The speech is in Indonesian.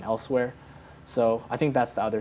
saya telah berikan di tempat lain